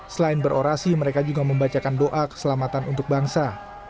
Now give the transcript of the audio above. selain berorasi mereka juga membacakan doa keselamatan untuk bangsa